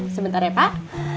sebentar ya pak